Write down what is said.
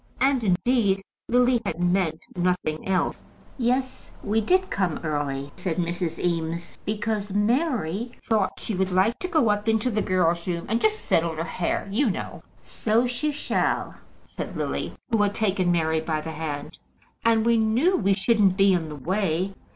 And, indeed, Lily had meant nothing else. "Yes; we did come early," said Mrs. Eames, "because Mary thought she would like to go up into the girls' room and just settle her hair, you know." "So she shall," said Lily, who had taken Mary by the hand. "And we knew we shouldn't be in the way.